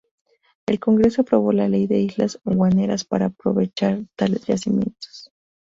El Congreso aprobó la ley de Islas Guaneras para aprovechar tales yacimientos.